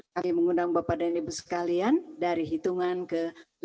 kami mengundang bapak dan ibu sekalian dari hitungan ke lima empat tiga dua satu